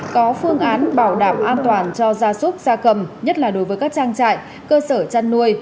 có phương án bảo đảm an toàn cho gia súc gia cầm nhất là đối với các trang trại cơ sở chăn nuôi